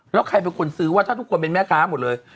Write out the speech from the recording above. แล้วใครเป็นคนซื้อว่าถ้าทุกคนเป็นแม่ค้าหมดเลย